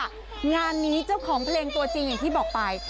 งานนี้เจ้าของเพลงตัวจริงอย่างที่บอกไป